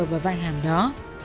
và vai hàm đó